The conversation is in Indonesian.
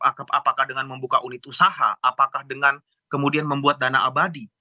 apakah dengan membuka unit usaha apakah dengan kemudian membuat dana abadi